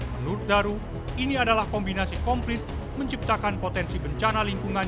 menurut daru ini adalah kombinasi komplit menciptakan potensi bencana lingkungan